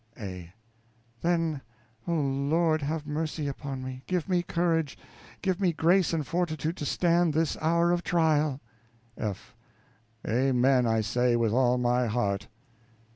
A. Then, O Lord, have mercy upon me; give me courage, give me grace and fortitude to stand this hour of trial. F. Amen, I say, with all my heart.